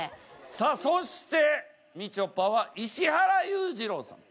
さあそしてみちょぱは石原裕次郎さん。